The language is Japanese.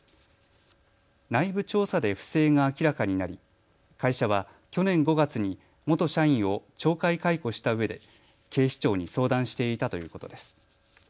内部調査で不正が明らかになり会社は去年５月に元社員を懲戒解雇したうえで警視庁に相談していたということです。